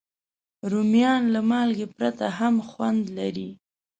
رومیان له مالګې پرته هم خوند لري